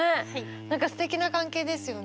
何かすてきな関係ですよね。